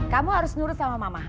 kamu harus nurut sama mama